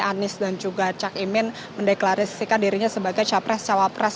anies dan juga cak imin mendeklarasikan dirinya sebagai capres cawapres